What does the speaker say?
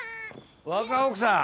若奥さん。